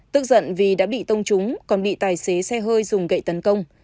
tức giận vì đã bị tông trúng còn bị tài xế xe hơi dùng gậy tấn công